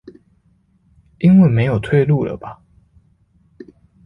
因為沒有退路了吧